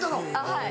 はい。